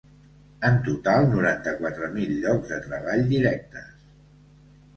En total, noranta-quatre mil llocs de treball directes.